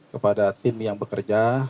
kepada tim yang bekerja